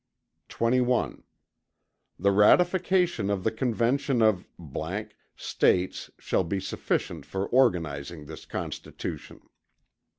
XXI The ratification of the Conventions of States shall be sufficient for organizing this Constitution.